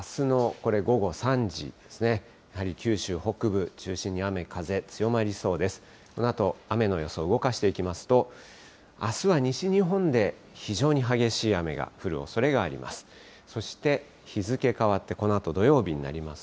このあと雨の予想動かしていきますと、あすは西日本で非常に激しい雨が降るおそれがあります。